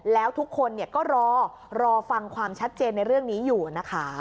แล้วทุกคนก็รอรอฟังความชัดเจนในเรื่องนี้อยู่นะคะ